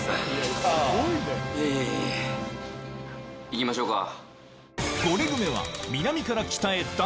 行きましょうか。